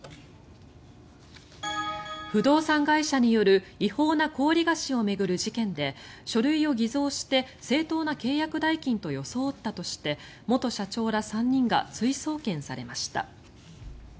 不動産会社による違法な高利貸を巡る事件で書類を偽造して正当な契約代金と装ったとして元社長ら３人が追送検されました。